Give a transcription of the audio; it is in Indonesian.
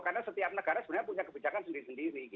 karena setiap negara sebenarnya punya kebijakan sendiri